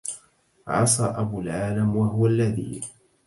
عصى أبو العالم وهو الذي